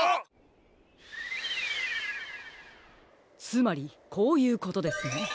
つまりこういうことですね。